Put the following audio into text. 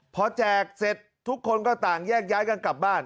พอแจกเสร็จทุกคนก็ต่างแยกย้ายกันกลับบ้าน